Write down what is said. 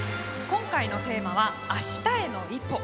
今回のテーマは「明日への一歩」。